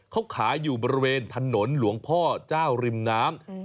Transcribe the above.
เขาขายอยู่บริเวณถนนหลวงพ่อเจ้าริมน้ำ